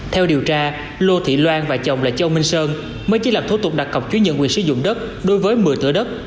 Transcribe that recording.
theo điều tra lô thị loan và chồng là châu minh sơn mới chỉ làm thủ tục đặt cọc chứa nhận quyền sử dụng đất đối với một mươi thửa đất